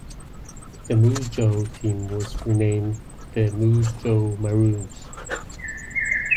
The Moose Jaw team was renamed the Moose Jaw Maroons.